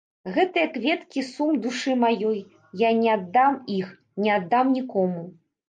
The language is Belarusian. Гэтыя кветкі сум душы маёй, я не аддам іх, не аддам нікому.